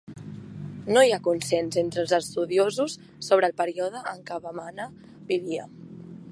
No hi ha consens entre els estudiosos sobre el període en què Vemana vivia.